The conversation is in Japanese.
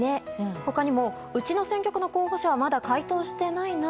他にも、うちの選挙区の候補者はまだ回答してないなぁ。